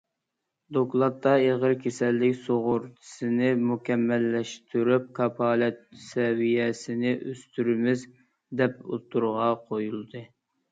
دوكلاتتا ئېغىر كېسەللىك سۇغۇرتىسىنى مۇكەممەللەشتۈرۈپ، كاپالەت سەۋىيەسىنى ئۆستۈرىمىز، دەپ ئوتتۇرىغا قويۇلدى.